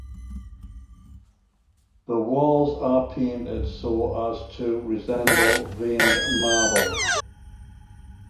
The walls are painted so as to resemble veined marble.